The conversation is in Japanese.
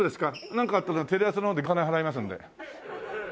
なんかあったらテレ朝の方で金払いますんで。